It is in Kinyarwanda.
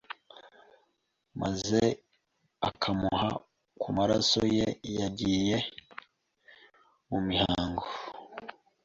maze akamuha ku maraso ye yagiye mu mihango